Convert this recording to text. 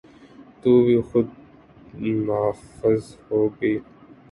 تو بھی حد نافذ ہو گی۔